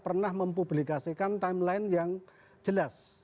pernah mempublikasikan timeline yang jelas